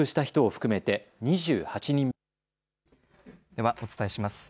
ではお伝えします。